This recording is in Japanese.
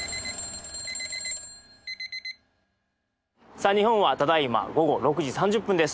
さあ日本はただいま午後６時３０分です。